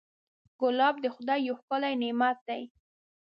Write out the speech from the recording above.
ګلاب د خدای یو ښکلی نعمت دی.